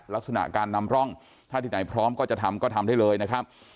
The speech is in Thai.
ลักษณะการนำร่องถ้าที่ไหนพร้อมก็จะทำก็ทำได้เลยนะครับ